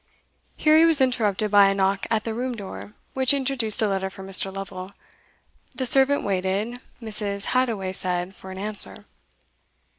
Here he was interrupted by a knock at the room door, which introduced a letter for Mr. Lovel. The servant waited, Mrs. Hadoway said, for an answer.